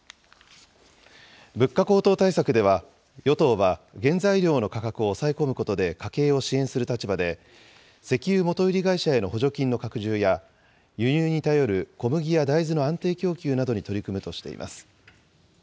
物価高騰対策では、与党は原材料の価格を抑え込むことで家計を支援する立場で、石油元売り会社への補助金の拡充や、輸入に頼る小麦や大豆の安定供給などに取り組むとしています。